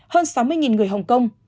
hơn sáu mươi người hồng kông